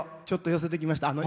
ちょっと寄せてきました。